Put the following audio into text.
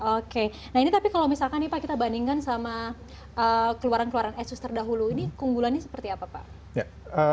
oke nah ini tapi kalau misalkan nih pak kita bandingkan sama keluaran keluaran asus terdahulu ini keunggulannya seperti apa pak